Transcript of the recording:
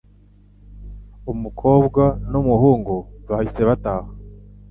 umukobwa n'umuhungu bahise bataha